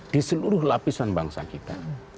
di seluruh lapisan bangsa kita